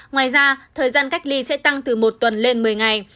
ngoài ra thời gian cách ly sẽ tăng từ một tuần lên một mươi ngày